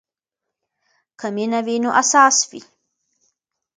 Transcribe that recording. که مینه وي نو اساس وي.